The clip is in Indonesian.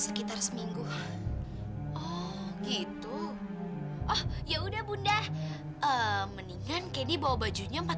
sekitar seminggu oh gitu oh ya udah bunda mendingan kini bawa bajunya empat